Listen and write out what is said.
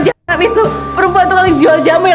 sebelum ada perubahan itu perubahan jual jamu yang